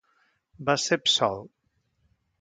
Va ser absolt.